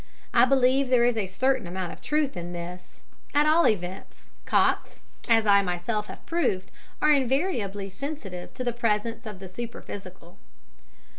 I believe there is a certain amount of truth in this at all events cocks, as I myself have proved, are invariably sensitive to the presence of the superphysical.